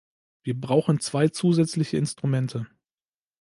Wir brauchen zwei zusätzliche Instrumente.